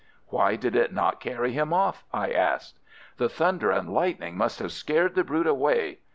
"Why did it not carry him off?" I asked. "The thunder and lightning must have scared the brute away.